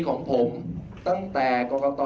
คือ๓๖๔วัน